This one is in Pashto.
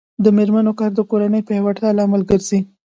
د میرمنو کار د کورنۍ پیاوړتیا لامل ګرځي.